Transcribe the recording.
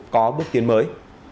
có bước tiến mới